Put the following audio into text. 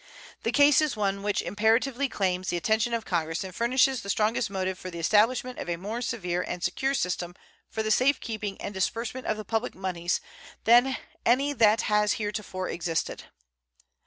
The case is one which imperatively claims the attention of Congress and furnishes the strongest motive for the establishment of a more severe and secure system for the safe keeping and disbursement of the public moneys than any that has heretofore existed.